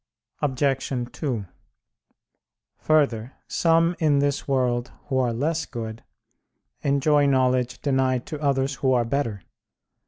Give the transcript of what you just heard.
Obj. 2: Further, some in this world who are less good enjoy knowledge denied to others who are better.